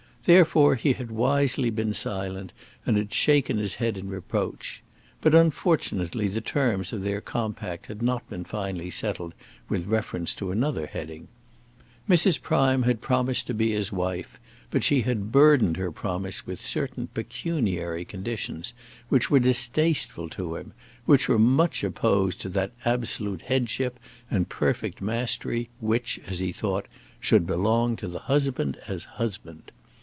Therefore he had wisely been silent, and had shaken his head in reproach. But unfortunately the terms of their compact had not been finally settled with reference to another heading. Mrs. Prime had promised to be his wife, but she had burdened her promise with certain pecuniary conditions which were distasteful to him, which were much opposed to that absolute headship and perfect mastery, which, as he thought, should belong to the husband as husband.